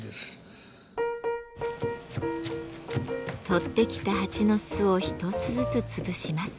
採ってきた蜂の巣を一つずつ潰します。